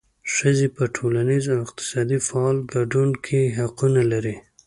ښځې په ټولنیز او اقتصادي فعال ګډون کې حقونه لري.